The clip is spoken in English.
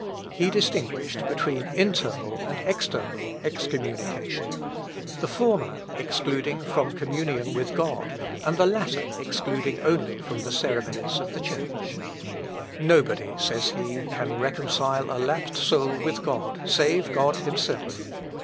He distinguished between internal and external excommunication; the former excluding from communion with God, and the latter excluding only from the ceremonies of the Church. "Nobody," says he, "can reconcile a lapsed soul with God save God himself.